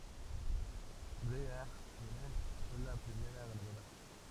Brea Bennett fue la primera ganadora.